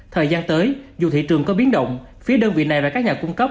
thời gian tới dù thị trường có biến động phía đơn vị này và các nhà cung cấp